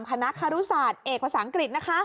คณะคารุศาสตร์เอกภาษาอังกฤษนะคะ